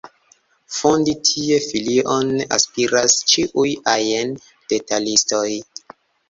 Fondi tie filion aspiras ĉiuj ajn detalistoj.